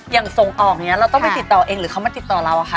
อย่างส่งออกเนี่ยเราต้องไปติดต่อเองหรือเขามาติดต่อเราอะคะ